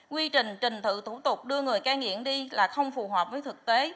quy trình trình thự thủ tục đưa người cao nghiện đi là không phù hợp với thực tế